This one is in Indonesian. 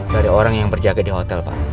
dari orang yang berjaga di hotel pak